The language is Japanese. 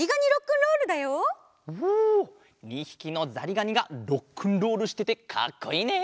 ２ひきのざりがにがロックンロールしててかっこいいね！